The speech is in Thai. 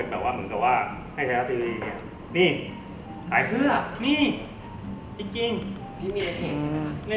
เต็มเต็มมาน่ะนี่เป็นอย่างงี้นี่อ่ะด้านหน้า